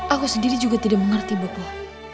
aku sendiri juga tidak mengerti bekla